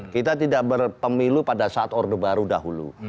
kita tidak berpemilu pada saat orde baru dahulu